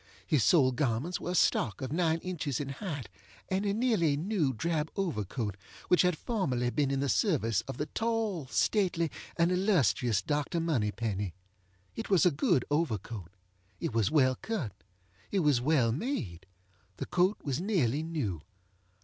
His sole garments were a stock of nine inches in height, and a nearly new drab overcoat which had formerly been in the service of the tall, stately, and illustrious Dr. Moneypenny. It was a good overcoat. It was well cut. It was well made. The coat was nearly new.